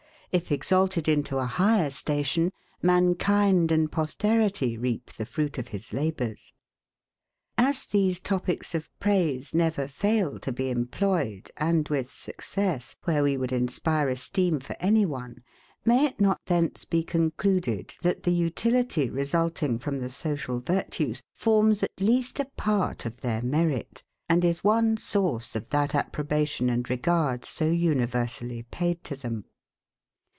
If exalted into a higher station, mankind and posterity reap the fruit of his labours. As these topics of praise never fail to be employed, and with success, where we would inspire esteem for any one; may it not thence be concluded, that the utility, resulting from the social virtues, forms, at least, a PART of their merit, and is one source of that approbation and regard so universally paid to them?